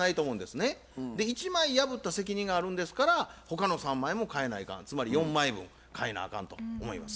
１枚破った責任があるんですから他の３枚も替えないかんつまり４枚分替えなあかんと思います。